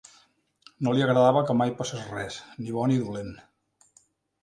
No li agradava que mai passés res, ni bò ni dolent